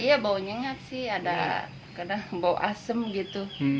iya baunya nyengat sih ada kena bau asem gitu